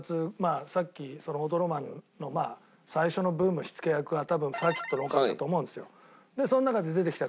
さっきオートロマンの最初のブーム火つけ役が多分『サーキットの狼』だと思うんですよ。